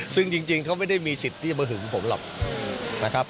ซึ่งจริงเขาไม่ได้มีสิทธิ์ที่จะมาหึงผมหรอกนะครับ